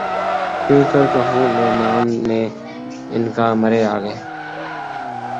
کیوں کر کہوں لو نام نہ ان کا مرے آگے